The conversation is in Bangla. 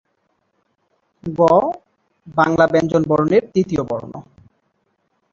গ বাংলা ব্যঞ্জনবর্ণের তৃতীয় বর্ণ।